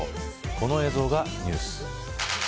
この映像がニュース。